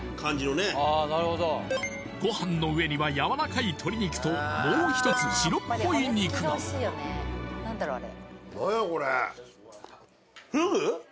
ご飯の上にはやわらかい鶏肉ともう一つ白っぽい肉が何やこれ？